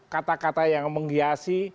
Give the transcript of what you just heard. kata kata yang menghiasi